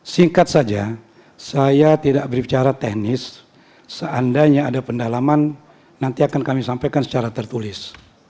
singkat saja saya tidak berbicara teknis seandainya ada pendalaman nanti akan kami sampaikan secara tertulis